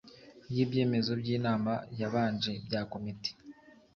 ry ibyemezo by inama yabanje bya Komite